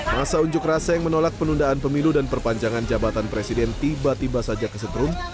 masa unjuk rasa yang menolak penundaan pemilu dan perpanjangan jabatan presiden tiba tiba saja kesetrum